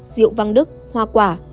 rượu vang đức hoa quả